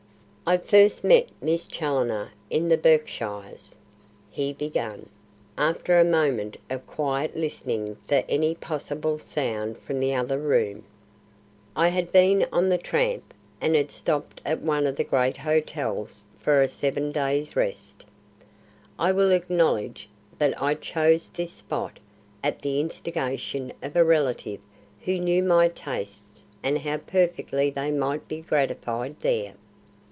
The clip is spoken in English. "I first met Miss Challoner in the Berkshires," he began, after a moment of quiet listening for any possible sound from the other room. "I had been on the tramp, and had stopped at one of the great hotels for a seven days' rest. I will acknowledge that I chose this spot at the instigation of a relative who knew my tastes and how perfectly they might be gratified there.